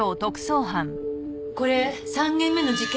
これ３件目の事件